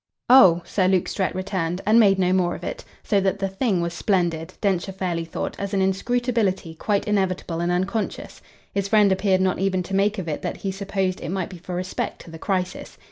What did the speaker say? "Oh!" Sir Luke Strett returned, and made no more of it; so that the thing was splendid, Densher fairly thought, as an inscrutability quite inevitable and unconscious. His friend appeared not even to make of it that he supposed it might be for respect to the crisis.